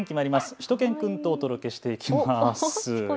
しゅと犬くんとお届けしていきます。